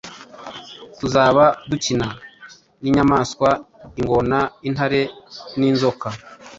tuzaba dukina n’inyamaswa:ingona, intare n’inzoka